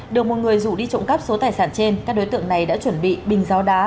được một người rủ đi trộm cắp số tài sản trên các đối tượng này đã chuẩn bị bình gió đá